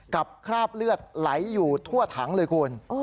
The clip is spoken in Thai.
คราบเลือดไหลอยู่ทั่วถังเลยคุณ